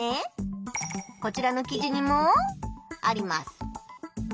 こちらの記事にもあります。